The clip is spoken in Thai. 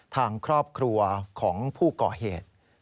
ทางครอบครัวของผู้ก่อเหตุ